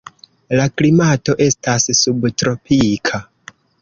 La klimato estas subtropika.